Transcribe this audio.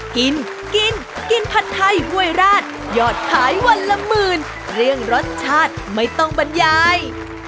กินกินผัดไทยห้วยราชยอดขายวันละหมื่นเรื่องรสชาติไม่ต้องบรรยาย